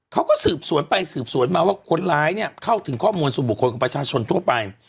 เขาก็สืบสวนไปสืบสวนมาว่าคนร้ายเนี่ยเข้าถึงข้อมูลส่วนบุคคลของประชาชนทั่วไป